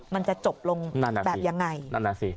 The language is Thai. มันจะจบลงแบบยังไง